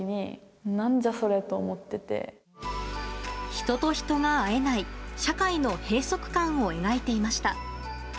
人と人が会えない社会の閉塞感を描いていました。